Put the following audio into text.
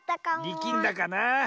りきんだかな。